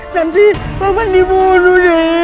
nanti paman dibunuh